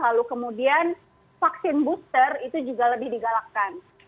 lalu kemudian vaksin booster itu juga lebih digalakkan